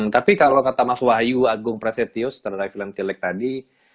tapi kalau kata mas wahyu agung presetius terhadap film tilek tadi